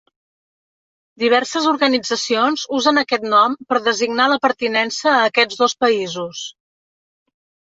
Diverses organitzacions usen aquest nom per designar la pertinença a aquests dos països.